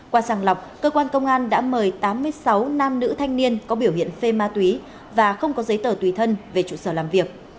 qua sàng lọc cơ quan công an đã mời tám mươi sáu nam nữ thanh niên có biểu hiện phê ma túy và không có giấy tờ tùy thân về trụ sở làm việc